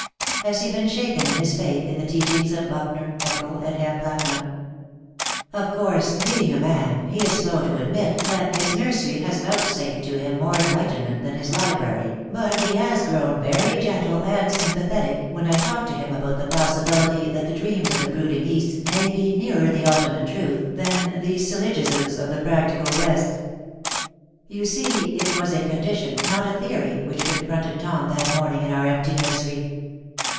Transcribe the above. Has he been shaken in his faith in the teachings of Büchner, Haeckel and Herr Plätner? Of course, being a man, he is slow to admit that his nursery has vouchsafed to him more enlightenment than his library, but he has grown very gentle and sympathetic when I talk to him about the possibility that the dreams of the brooding East may be nearer the ultimate truth than the syllogisms of the practical West. You see, it was a condition, not a theory, which confronted Tom that morning in our empty nursery.